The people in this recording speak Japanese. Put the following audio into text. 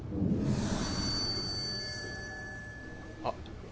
あっ。